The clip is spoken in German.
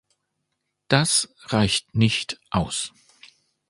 Das reicht nicht aus.